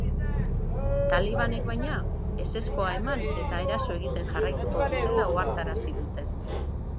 Talibanek, baina, ezezkoa eman eta eraso egiten jarraituko dutela ohartarazi dute.